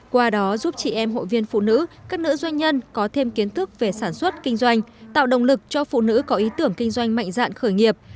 qua đó giúp chị em hội viên phụ nữ các nữ doanh nhân có thêm kiến thức về sản xuất kinh doanh tạo động lực cho phụ nữ có ý tưởng kinh doanh mạnh dạn khởi nghiệp